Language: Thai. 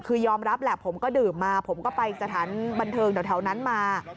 คือยอมรับแหละผมก็ดื่มมาผมก็ไปสถานบันเทิงแถวนั้นมา